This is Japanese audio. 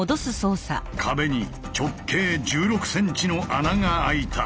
壁に直径１６ｃｍの穴があいた。